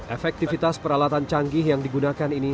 efektivitas peralatan canggih yang digunakan ini